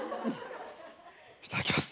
いただきます。